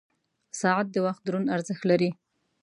• ساعت د وخت دروند ارزښت لري.